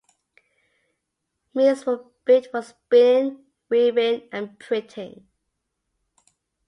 Mills were built for spinning, weaving and printing.